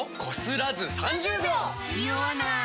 ニオわない！